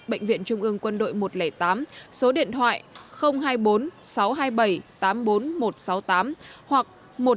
bệnh viện trung ương quân đội một trăm linh tám số điện thoại hai mươi bốn sáu trăm hai mươi bảy tám mươi bốn nghìn một trăm sáu mươi tám hoặc một nghìn chín trăm linh chín trăm tám mươi sáu nghìn tám trăm sáu mươi chín